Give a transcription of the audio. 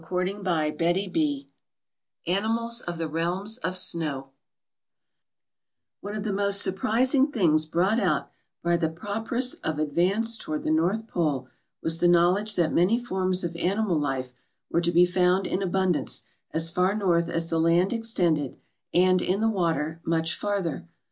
MISCELLANEOUS Animals of the Realms of Snow ONE of the most surprising things brought out by the prop ress of advance toward the north pole was the knowledge that many forms of animal life were to be found in abundance as far north as the land extended, and, in the water, much farther.